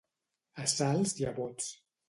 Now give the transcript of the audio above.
A salts i a bots.